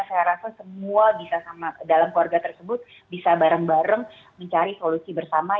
saya rasa semua bisa sama dalam keluarga tersebut bisa bareng bareng mencari solusi bersama